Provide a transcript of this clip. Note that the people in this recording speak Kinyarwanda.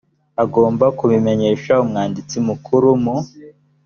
agomba kubimenyesha umwanditsi mukuru mu